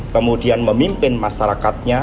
kemudian memimpin masyarakatnya